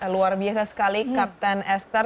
luar biasa sekali kapten esther